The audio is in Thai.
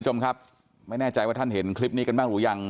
คุณผู้ชมครับไม่แน่ใจว่าท่านเห็นคลิปนี้กันบ้างหรือยัง